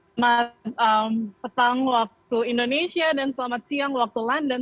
selamat petang waktu indonesia dan selamat siang waktu london